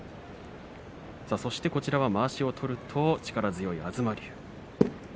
そして、まわしを取ると力強い東龍。